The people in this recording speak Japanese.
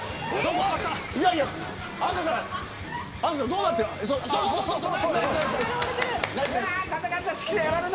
どうなってる。